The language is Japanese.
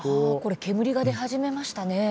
煙が出始めましたね。